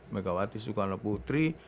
megawati soekarno putri